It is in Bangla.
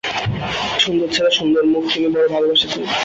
সুন্দর ছেলে, সুন্দর মুখ তিনি বড়ো ভালোবাসিতেন।